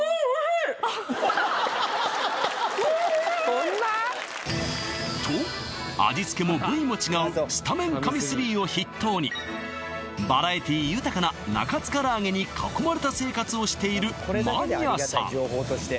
そんな？と味付けも部位も違うスタメン神３を筆頭にバラエティ豊かな中津からあげに囲まれた生活をしているマニアさん